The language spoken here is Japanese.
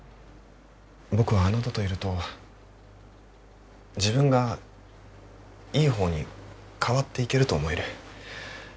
僕はあなたといると自分がいい方に変わっていけると思える。